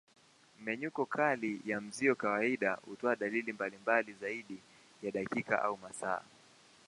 Mmenyuko kali ya mzio kawaida hutoa dalili mbalimbali zaidi ya dakika au masaa.